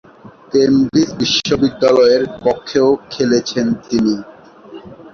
Cambridge বিশ্ববিদ্যালয়ের পক্ষেও খেলেছেন তিনি।